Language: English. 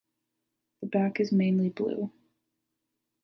The back is mainly blue.